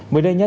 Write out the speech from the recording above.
mới đây nhé